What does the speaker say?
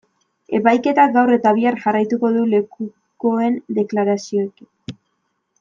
Epaiketak gaur eta bihar jarraituko du lekukoen deklarazioekin.